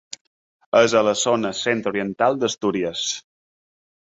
És a la zona centre oriental d'Astúries.